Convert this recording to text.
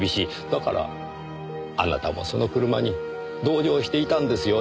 だからあなたもその車に同乗していたんですよ。